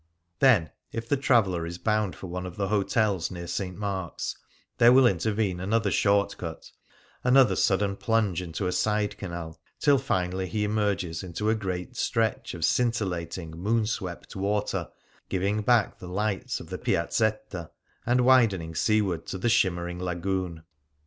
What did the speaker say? Then, if the traveller is bound for one of the hotels near St. Mark's, there will intervene another short cut, another sudden plunge into a side canal, till finally he emerges into a great stretch of scintillating, moon swept water, giving back the lights of the Piazzetta and widening seaward to the shimmering Lagoon.